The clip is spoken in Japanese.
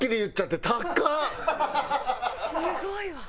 すごいわ！